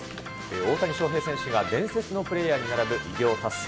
大谷翔平選手が伝説のプレーヤーに並ぶ偉業達成。